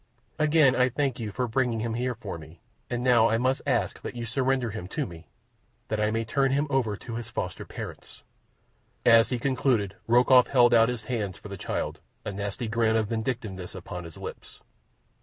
"Again I thank you for bringing him here for me, and now I must ask you to surrender him to me, that I may turn him over to his foster parents." As he concluded Rokoff held out his hands for the child, a nasty grin of vindictiveness upon his lips.